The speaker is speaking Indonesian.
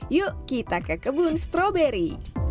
yuk kita ke kebun stroberi